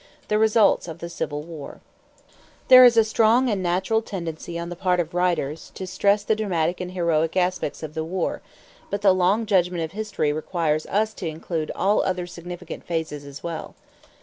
THE RESULTS OF THE CIVIL WAR There is a strong and natural tendency on the part of writers to stress the dramatic and heroic aspects of war; but the long judgment of history requires us to include all other significant phases as well.